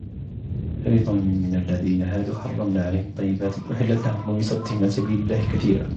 فَبِظُلْمٍ مِنَ الَّذِينَ هَادُوا حَرَّمْنَا عَلَيْهِمْ طَيِّبَاتٍ أُحِلَّتْ لَهُمْ وَبِصَدِّهِمْ عَنْ سَبِيلِ اللَّهِ كَثِيرًا